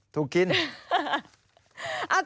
ถูกกิน